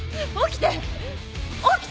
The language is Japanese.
起きて。